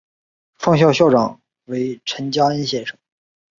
创校校长为陈加恩先生。